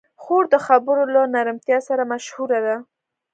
خور د خبرو له نرمتیا سره مشهوره ده.